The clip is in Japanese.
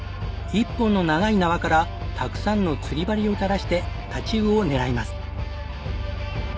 １本の長い縄からたくさんの釣り針を垂らして太刀魚を狙います。